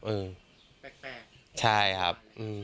แปลกใช่ครับ